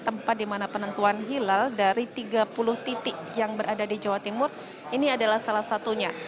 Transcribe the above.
tempat di mana penentuan hilal dari tiga puluh titik yang berada di jawa timur ini adalah salah satunya